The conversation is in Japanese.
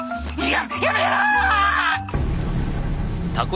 ややめろ！